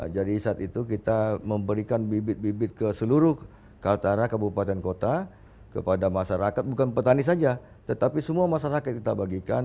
jadi saat itu kita memberikan bibit bibit ke seluruh kaltara kabupaten kota kepada masyarakat bukan petani saja tetapi semua masyarakat kita bagikan